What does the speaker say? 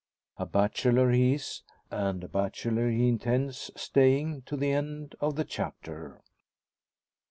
A bachelor he is, and a bachelor he intends staying to the end of the chapter.